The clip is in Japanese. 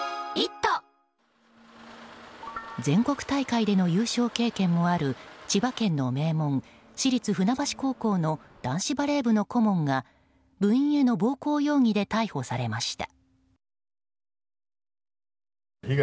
全国大会での優勝経験もある千葉県の名門・市立船橋高校の男子バレー部の顧問が部員への暴行容疑で逮捕されました。